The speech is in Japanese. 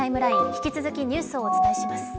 引き続きニュースをお伝えします。